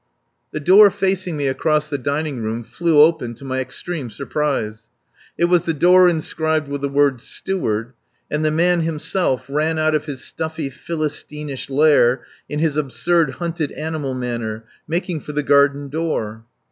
... The door facing me across the dining room flew open to my extreme surprise. It was the door inscribed with the word "Steward" and the man himself ran out of his stuffy, Philistinish lair in his absurd, hunted animal manner, making for the garden door.